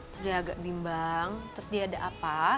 terus dia agak bimbang terus dia ada apa